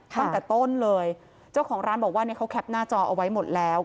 ตั้งแต่ต้นเลยเจ้าของร้านบอกว่าเนี่ยเขาแคปหน้าจอเอาไว้หมดแล้ว